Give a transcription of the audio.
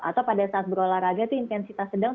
atau pada saat berolahraga itu intensitas sedang